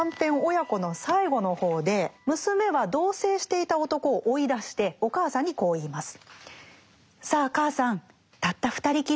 「母娘」の最後の方で娘は同棲していた男を追い出してお母さんにこう言います。